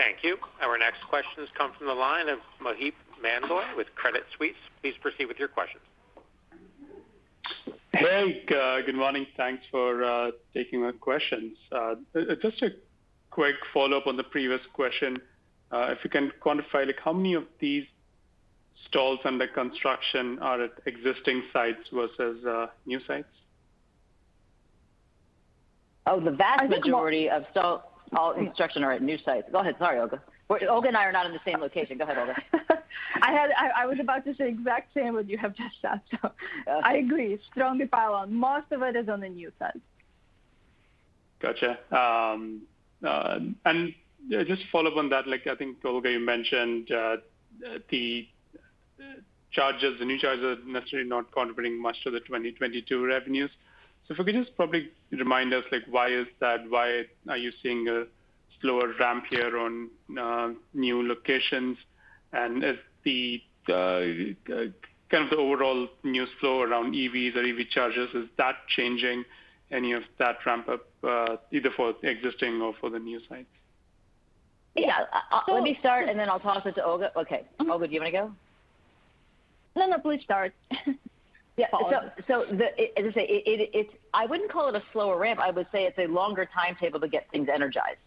Thank you. Our next questions come from the line of Maheep Mandloi with Credit Suisse. Please proceed with your questions. Hey, good morning. Thanks for taking my questions. Just a quick follow-up on the previous question. If you can quantify, like, how many of these stalls under construction are at existing sites versus new sites? Oh, the vast majority. I think most. All stalls, all construction are at new sites. Go ahead. Sorry, Olga. Olga and I are not in the same location. Go ahead, Olga. I was about to say exact same what you have just said, so I agree. Strongly follow on. Most of it is on the new sites. Gotcha. Just follow up on that, like I think, Olga, you mentioned, the chargers, the new chargers necessarily not contributing much to the 2022 revenues. If you could just probably remind us, like, why is that? Why are you seeing a slower ramp here on, new locations? Is the, kind of the overall news flow around EVs or EV chargers, is that changing any of that ramp-up, either for existing or for the new sites? Yeah. So- Let me start, and then I'll toss it to Olga. Okay. Olga, do you wanna go? No, no, please start. Yeah. Follow me. As I say, I wouldn't call it a slower ramp. I would say it's a longer timetable to get things energized,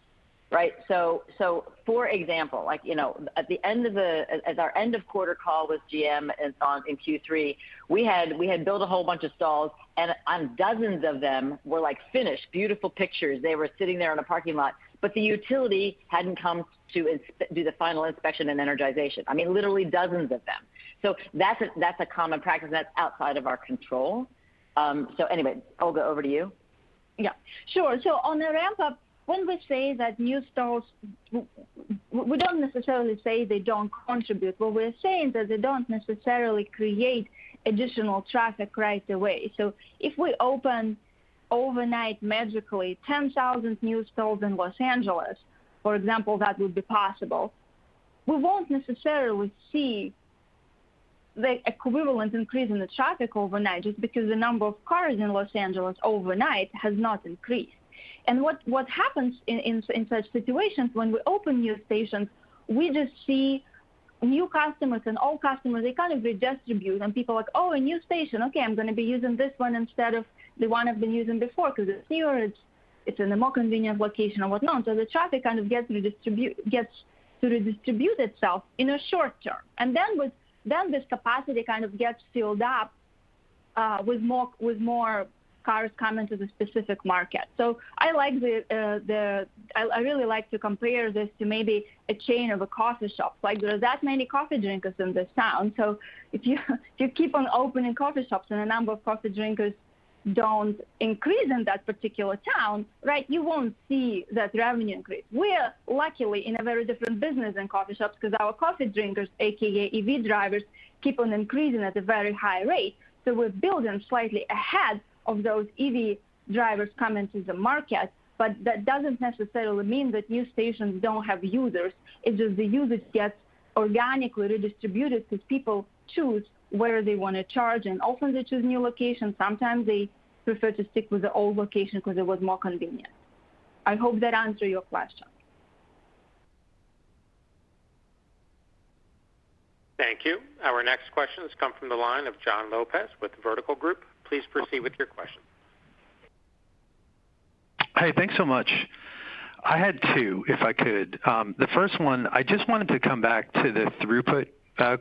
right? For example, like, you know, at our end of quarter call with GM and so on in Q3, we had built a whole bunch of stalls, and on dozens of them were like finished. Beautiful pictures. They were sitting there in a parking lot. But the utility hadn't come to do the final inspection and energization. I mean, literally dozens of them. That's a common practice that's outside of our control. Anyway, Olga, over to you. Yeah, sure. On the ramp-up, when we say that new stalls, we don't necessarily say they don't contribute, but we're saying that they don't necessarily create additional traffic right away. If we open overnight magically 10,000 new stalls in Los Angeles, for example, that would be possible. We won't necessarily see the equivalent increase in the traffic overnight, just because the number of cars in Los Angeles overnight has not increased. What happens in such situations when we open new stations, we just see new customers and old customers, they kind of redistribute. People are like, "Oh, a new station. Okay, I'm gonna be using this one instead of the one I've been using before 'cause it's newer, it's in a more convenient location and whatnot." The traffic kind of gets to redistribute itself in a short term. This capacity kind of gets filled up with more cars coming to the specific market. I really like to compare this to maybe a chain of a coffee shop. Like, there are that many coffee drinkers in this town, so if you keep on opening coffee shops and the number of coffee drinkers don't increase in that particular town, right, you won't see that revenue increase. We are luckily in a very different business than coffee shops 'cause our coffee drinkers, AKA EV drivers, keep on increasing at a very high rate. We're building slightly ahead of those EV drivers coming to the market. That doesn't necessarily mean that new stations don't have users. It's just the users get organically redistributed 'cause people choose where they wanna charge. Often they choose new locations. Sometimes they prefer to stick with the old location 'cause it was more convenient. I hope that answer your question. Thank you. Our next question has come from the line of Jon Lopez with Vertical Group. Please proceed with your question. Hey, thanks so much. I had two, if I could. The first one, I just wanted to come back to the throughput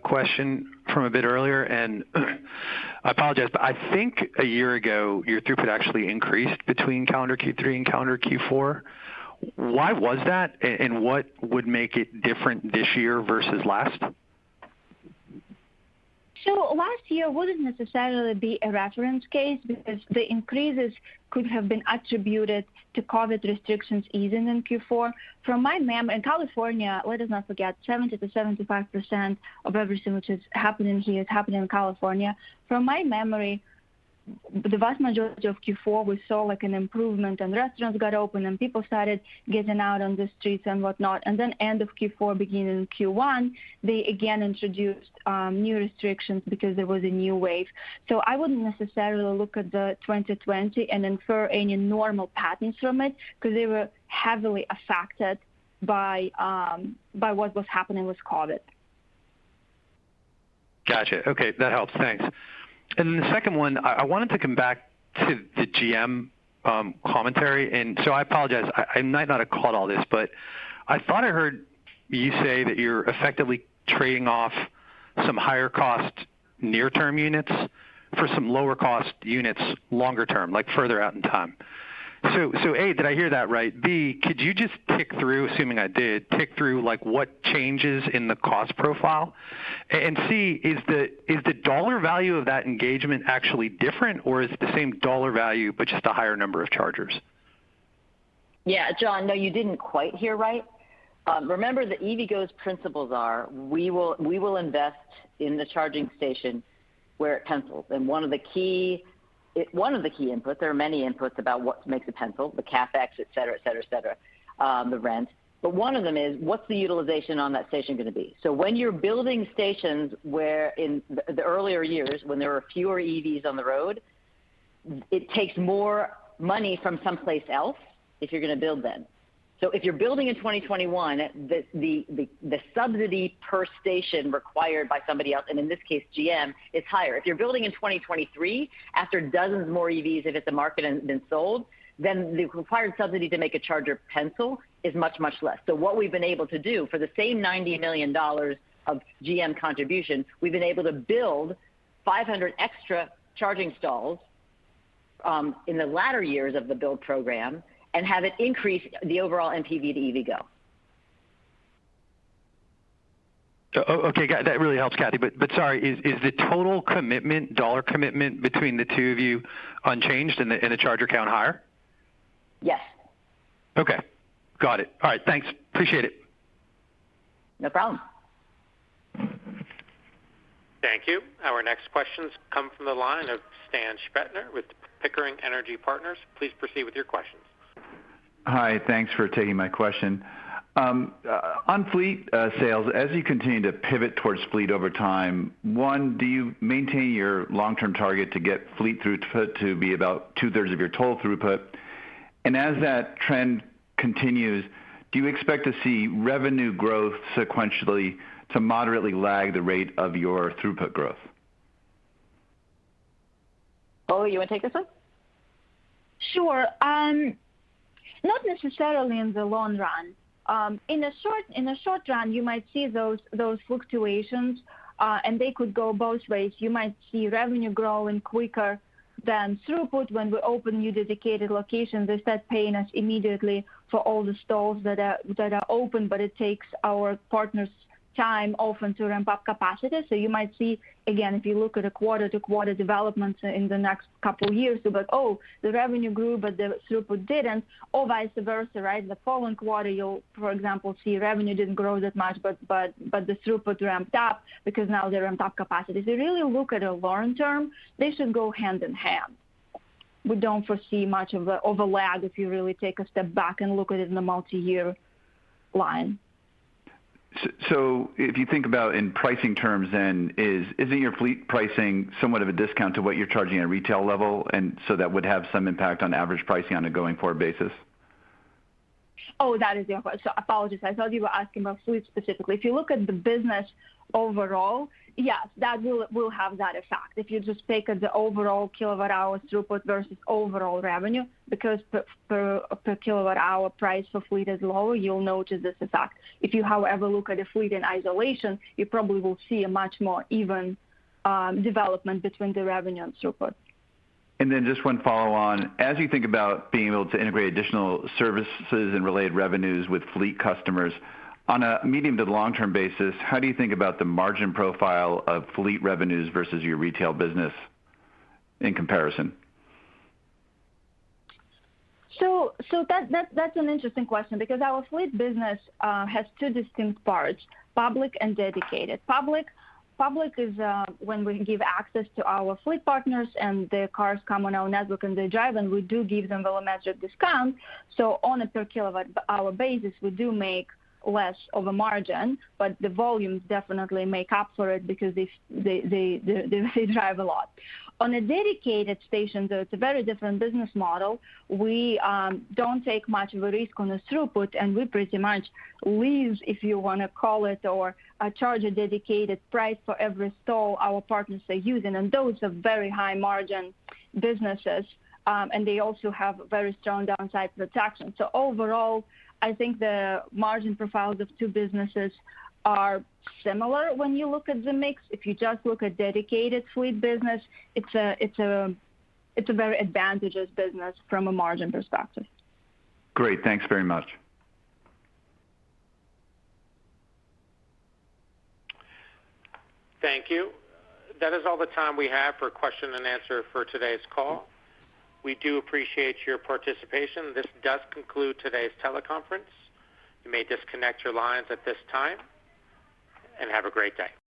question from a bit earlier. I apologize, but I think a year ago, your throughput actually increased between calendar Q3 and calendar Q4. Why was that? And what would make it different this year versus last? Last year wouldn't necessarily be a reference case because the increases could have been attributed to COVID restrictions easing in Q4. In California, let us not forget, 70%-75% of everything which is happening here is happening in California. From my memory, the vast majority of Q4, we saw, like, an improvement, and restaurants got open, and people started getting out on the streets and whatnot, end of Q4, beginning of Q1, they again introduced new restrictions because there was a new wave. I wouldn't necessarily look at 2020 and infer any normal patterns from it 'cause they were heavily affected by what was happening with COVID. Gotcha. Okay. That helps. Thanks. The second one, I wanted to come back to the GM commentary. I apologize, I might not have caught all this, but I thought I heard you say that you're effectively trading off some higher cost near-term units for some lower cost units longer term, like further out in time. A, did I hear that right? B, could you just tick through, assuming I did, like, what changes in the cost profile? And C, is the dollar value of that engagement actually different, or is it the same dollar value but just a higher number of chargers? Yeah. John, no, you didn't quite hear right. Remember that EVgo's principles are, we will invest in the charging station where it pencils. One of the key inputs, there are many inputs about what makes a pencil, the CapEx, et cetera, the rent, but one of them is, what's the utilization on that station gonna be? When you're building stations in the earlier years, when there were fewer EVs on the road, it takes more money from someplace else if you're gonna build them. If you're building in 2021, the subsidy per station required by somebody else, and in this case GM, is higher. If you're building in 2023, after dozens more EVs have hit the market and been sold, then the required subsidy to make a charger pencil is much, much less. What we've been able to do, for the same $90 million of GM contribution, we've been able to build 500 extra charging stalls, in the latter years of the build program and have it increase the overall NPV to EVgo. That really helps, Cathy. Sorry, is the total commitment, dollar commitment between the two of you unchanged and the charger count higher? Yes. Okay. Got it. All right, thanks. Appreciate it. No problem. Thank you. Our next questions come from the line of Stan Shpetner with Pickering Energy Partners. Please proceed with your questions. Hi. Thanks for taking my question. On fleet sales, as you continue to pivot towards fleet over time, one, do you maintain your long-term target to get fleet throughput to be about two-thirds of your total throughput? As that trend continues, do you expect to see revenue growth sequentially to moderately lag the rate of your throughput growth? Olga, you wanna take this one? Sure. Not necessarily in the long run. In the short run, you might see those fluctuations, and they could go both ways. You might see revenue growing quicker than throughput when we open new dedicated locations. They start paying us immediately for all the stalls that are open, but it takes our partners time often to ramp up capacity. You might see, again, if you look at a quarter-to-quarter development in the next couple of years, you'll be, "Oh, the revenue grew, but the throughput didn't," or vice versa, right? The following quarter, you'll for example see revenue didn't grow that much, but the throughput ramped up because now they ramped up capacity. If you really look at it long term, they should go hand in hand. We don't foresee much of an overlap if you really take a step back and look at it in a multiyear line. If you think about in pricing terms, then isn't your fleet pricing somewhat of a discount to what you're charging at retail level, and so that would have some impact on average pricing on a going forward basis? Oh, that is your question. Apologies. I thought you were asking about fleet specifically. If you look at the business overall, yes, that will have that effect. If you just take the overall kilowatt-hour throughput versus overall revenue, because per kilowatt-hour price for fleet is lower, you'll notice this effect. If you, however, look at a fleet in isolation, you probably will see a much more even development between the revenue and throughput. Just one follow on. As you think about being able to integrate additional services and related revenues with fleet customers, on a medium to long-term basis, how do you think about the margin profile of fleet revenues versus your retail business in comparison? That's an interesting question because our fleet business has two distinct parts, public and dedicated. Public is when we give access to our fleet partners and their cars come on our network and they drive, and we do give them a volumetric discount. On a per kilowatt-hour basis, we do make less of a margin, but the volumes definitely make up for it because they drive a lot. On a dedicated station, though, it's a very different business model. We don't take much of a risk on the throughput, and we pretty much lease, if you wanna call it, or charge a dedicated price for every stall our partners are using, and those are very high margin businesses. They also have very strong downside protection. Overall, I think the margin profiles of two businesses are similar when you look at the mix. If you just look at dedicated fleet business, it's a very advantageous business from a margin perspective. Great. Thanks very much. Thank you. That is all the time we have for question and answer for today's call. We do appreciate your participation. This does conclude today's teleconference. You may disconnect your lines at this time, and have a great day.